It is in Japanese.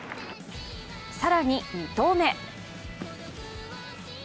更に２投目。